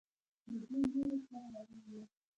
له دوو نورو سره راغلى و.